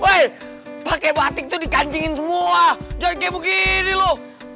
woi pake batik tuh di kancingin semua jangan kebo gini lu